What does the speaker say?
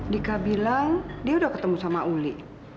dika bilang dia udah ketemu sama uli